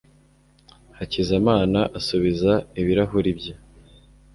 hakizamana asubiza ibirahuri bye.